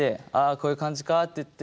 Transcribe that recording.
こういう感じかっていって。